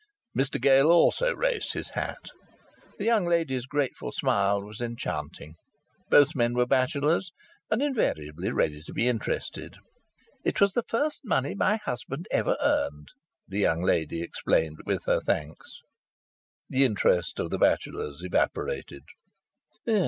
Mr Gale also raised his hat. The young lady's grateful smile was enchanting. Both men were bachelors and invariably ready to be interested. "It was the first money my husband ever earned," the young lady explained, with her thanks. The interest of the bachelors evaporated.